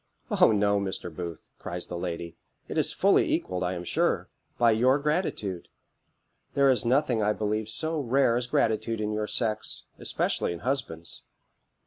"O no, Mr. Booth," cries the lady; "it is fully equalled, I am sure, by your gratitude. There is nothing, I believe, so rare as gratitude in your sex, especially in husbands.